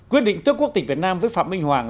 quyết định tước quốc tịch việt nam với phạm minh hoàng